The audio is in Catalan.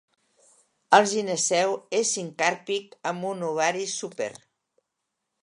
El gineceu és sincàrpic amb un ovari súper.